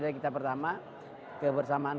dari kita pertama kebersamaan